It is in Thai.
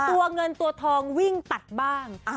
ตัวเงินตัวทองวิ่งตัดบ้าง